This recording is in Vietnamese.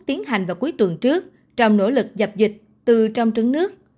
tiến hành vào cuối tuần trước trong nỗ lực dập dịch từ trong trứng nước